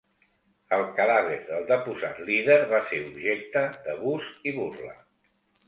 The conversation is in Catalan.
El cadàver del deposat líder va ser objecte d'abús i burla.